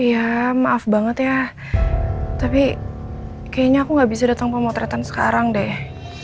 ya maaf banget ya tapi kayaknya aku gak bisa datang pemotretan sekarang deh